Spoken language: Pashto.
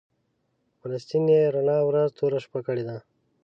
په فلسطین یې رڼا ورځ توره شپه کړې ده.